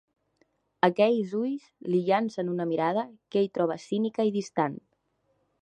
Aquells ulls li llancen una mirada que ell troba cínica i distant.